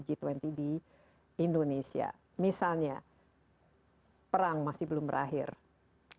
g dua puluh di indonesia misalnya perang masih belum berakhir sebetulnya g dua puluh itu kan termasuk